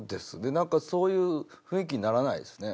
なんかそういう雰囲気にならないですね。